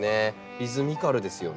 リズミカルですよね。